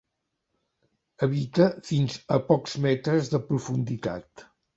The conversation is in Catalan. Habita fins a pocs metres de profunditat.